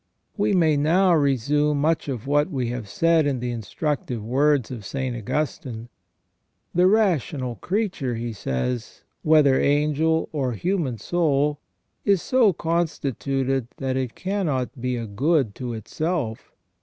We may now resume much of what we have said in the instruc tive words of St Augustine. " The rational creature," he says, " whether angel or human soul, is so constituted that it cannot be a good to itself.